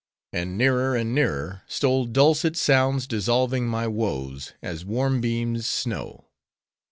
And nearer, and nearer, stole dulcet sounds dissolving my woes, as warm beams, snow.